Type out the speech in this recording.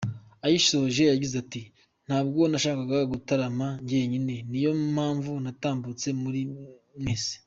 Ayisoje yagize ati “Ntabwo nashakaga gutarama njyenyine niyo mpamvu natambutse muri mwese.